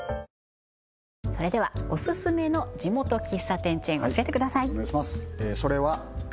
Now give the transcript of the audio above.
それではオススメの地元喫茶店チェーン教えてください